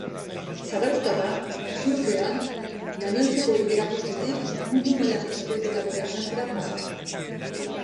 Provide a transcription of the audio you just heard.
Zarauztarrak surfean gainontzekoei erakustetik, mundu mailako txapelketa bereganatzera pasa da.